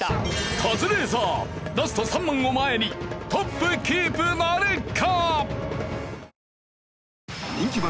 カズレーザーラスト３問を前にトップキープなるか！？